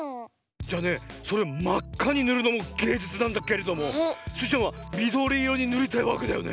じゃあねそれをまっかにぬるのもげいじゅつなんだけれどもスイちゃんはみどりいろにぬりたいわけだよね？